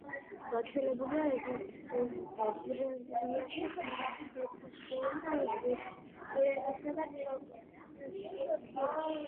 გავრცელებულია ევრაზიაში, ხმელთაშუაზღვისპირეთსა და კავკასიაში.